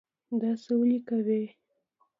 داسی ولې کوي